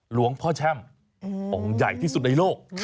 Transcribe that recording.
หลวงพ่อแช่มองค์ใหญ่ที่สุดในโลก